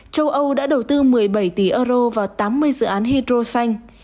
châu âu đã đầu tư một mươi bảy tỷ euro vào tám mươi dự án hydro xanh